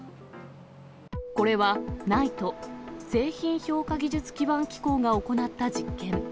これは、ＮＩＴＥ・製品評価技術基盤機構が行った実験。